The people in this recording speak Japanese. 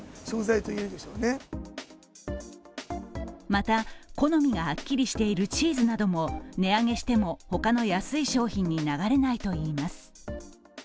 また、好みがはっきりしているチーズなども値上げしても他の安い商品に流れないといいます。